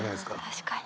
確かに。